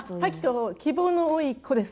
希望の多い子です。